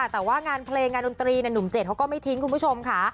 แต่ว่างานเพลงงานดนตรีหนุ่มเจ็ดเขาก็ไม่ทิ้งคุณผู้ชมค่ะ